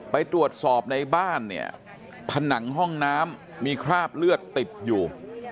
ไปตรวจสอบในบ้านเนี่ยผนังห้องน้ำมีคราบเลือดติดอยู่